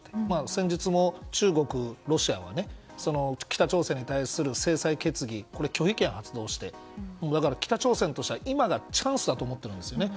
先日も中国、ロシアは北朝鮮に対する制裁決議に拒否権を発動して北朝鮮としては今がチャンスだと思っているんですよね。